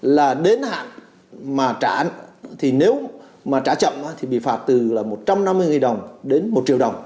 là đến hạn mà trả thì nếu mà trả chậm thì bị phạt từ là một trăm năm mươi đồng đến một triệu đồng